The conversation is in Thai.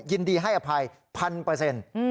ยินดีให้อภัยพันเปอร์เซ็นต์